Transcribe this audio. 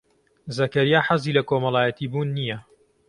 زەکەریا حەزی لە کۆمەڵایەتیبوون نییە.